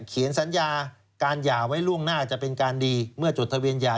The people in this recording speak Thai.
เขียนสัญญาการหย่าไว้ล่วงหน้าจะเป็นการดีเมื่อจดทะเบียนหย่า